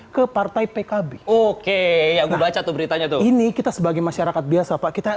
ke partai pkb oke cer gospel caturitanya tuh ini kita sebagai masyarakat biasa pak kita